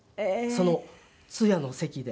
その通夜の席で。